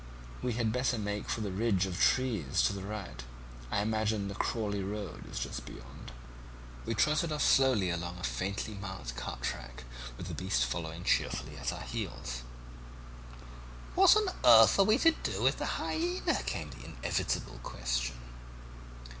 We had better make for that ridge of trees to the right; I imagine the Crowley road is just beyond.' "We trotted off slowly along a faintly marked cart track, with the beast following cheerfully at our heels. "'What on earth are we to do with the hyaena?' came the inevitable question.